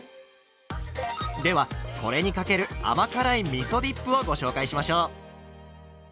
ではこれにかける甘辛いみそディップをご紹介しましょう。